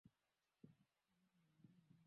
Tenda wema uende, wajibu kwa wema